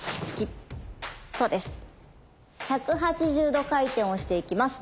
１８０度回転をしていきます。